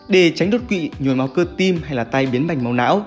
để tránh đột quỵ nhuồn máu cơ tim hay là tay biến bành máu não